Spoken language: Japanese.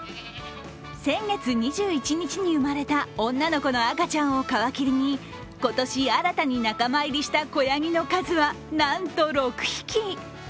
先月２１日に生まれた女の子の赤ちゃんを皮切りに、今年新たに仲間入りした子やぎの数はなんと６匹。